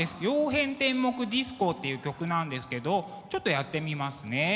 「曜変天目ディスコ」っていう曲なんですけどちょっとやってみますね。